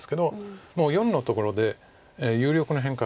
もう④のところで有力な変化